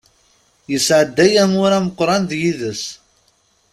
Yesɛedday amur ameqqran d yid-s.